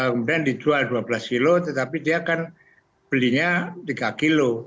kemudian dijual dua belas kg tetapi dia kan belinya tiga kg